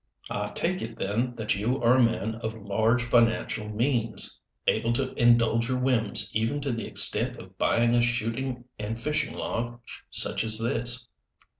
"I take it, then, that you are a man of large financial means able to indulge your whims even to the extent of buying a shooting and fishing lodge such as this?"